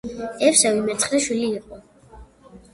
ევსევი მეცხრე შვილი იყო.